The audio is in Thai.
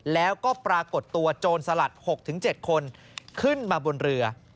แล้วก็ปรากฏตัวโจรสลัด๖๗คนขึ้นมาบนเรือ